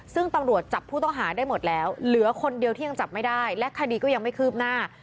ซึ่งตำรวจจับผู้ต้องหาได้หมดแล้วเหลือคนเดียวที่ยังจับไม่ได้และคดีก็ยังไม่คืบหน้า